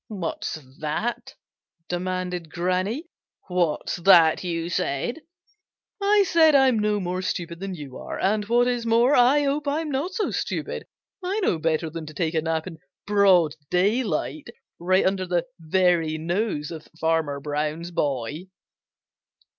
"What's that?" demanded Granny. "What's that you said?" "I said I'm no more stupid than you are, and what is more, I hope I'm not so stupid. I know better than to take a nap in broad daylight right under the very nose of Farmer Brown's boy."